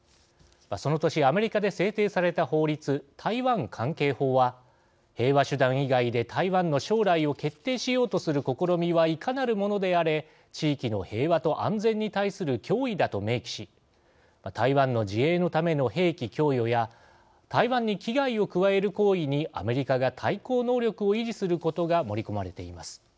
その年アメリカで制定された法律台湾関係法は平和手段以外で台湾の将来を決定しようとする試みはいかなるものであれ地域の平和と安全に対する脅威だと明記し台湾の自衛のための兵器供与や台湾に危害を加える行為にアメリカが対抗能力を維持することが盛り込まれています。